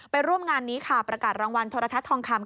ร่วมงานนี้ค่ะประกาศรางวัลโทรทัศน์ทองคำ